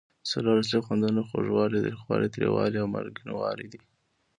څلور اصلي خوندونه خوږوالی، تریخوالی، تریوالی او مالګینو والی دي.